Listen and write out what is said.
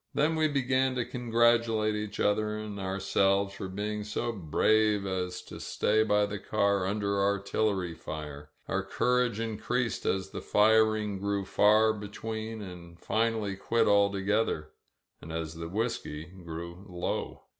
Then we began to congratulate each other and ourselves for being so brave as to stay by the car under artillery fire. Our courage increased as the firing S58 THE FALL OF GOMEZ PALACIO grew far between and finally quit altogether, and as the whisky grew low.